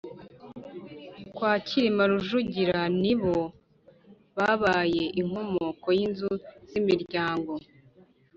kwa Cyilima Rujugira, nibo babaye inkomoko y’inzu z’imiryango